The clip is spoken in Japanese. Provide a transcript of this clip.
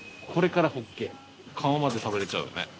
皮まで食べれちゃうね。